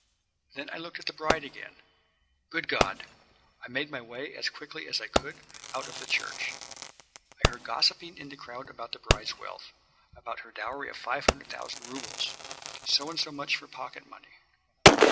Then I looked at the bride again. Good God! I made my way, as quickly as I could, out of the church. I heard gossiping in the crowd about the bride's wealth about her dowry of five hundred thousand rubles so and so much for pocket money.